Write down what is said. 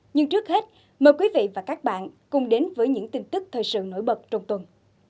nhưng trước hết mời quý vị và các bạn cùng đến với những tin tức thời sự nổi bật trong tuần